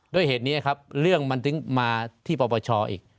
ด้วยเหตุนี้ครับเรื่องมันถึงมาที่ปปชอีก